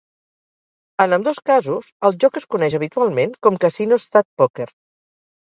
En ambdós casos, el joc es coneix habitualment com "Casino Stud Poker".